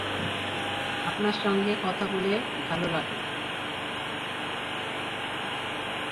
আপনার সঙ্গে কথা বলে ভালো লাগল।